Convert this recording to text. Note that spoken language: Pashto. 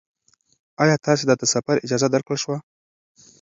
ایا تاسې ته د سفر اجازه درکړل شوه؟